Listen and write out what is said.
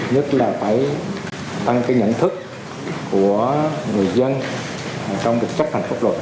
nhất là phải tăng cái nhận thức của người dân trong việc chấp hành pháp luật